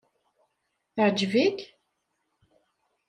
Teɛǧeb-ik?